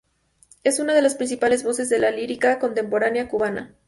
Es una de las principales voces de la lírica contemporánea cubana.